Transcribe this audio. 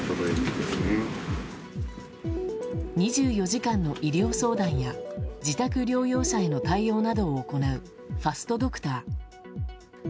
２４時間の医療相談や自宅療養者への対応などを行うファストドクター。